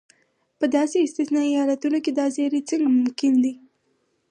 په داسې استثنایي حالتو کې دا زیری څنګه ممکن دی.